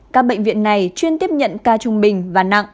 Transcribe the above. các bệnh viện này chuyên tiếp nhận ca trung bình và nặng